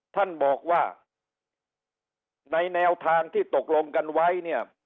ท่านบอกว่าในแนวทางที่ตกลงกันไว้เนี่ย